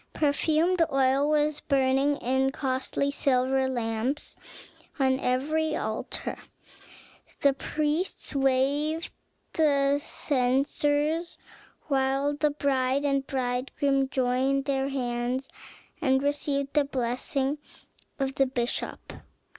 Perfumed oil was burning in costly silver lamps on every altar. The priests waved the censers, while the bride and bridegroom joined their hands and received the blessing of the bishop.